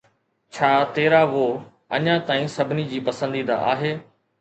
ڇا تيرا وو اڃا تائين سڀني جي پسنديده آهي؟